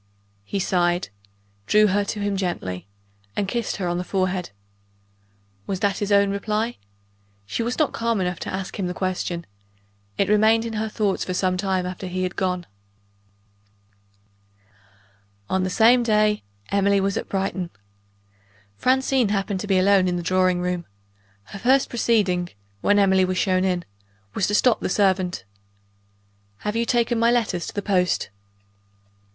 He sighed drew her to him gently and kissed her on the forehead. Was that his own reply? She was not calm enough to ask him the question: it remained in her thoughts for some time after he had gone. ........ On the same day Emily was at Brighton. Francine happened to be alone in the drawing room. Her first proceeding, when Emily was shown in, was to stop the servant. "Have you taken my letter to the post?"